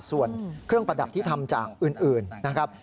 ส่วนเครื่องประดับที่ทำจากอื่นนะครับ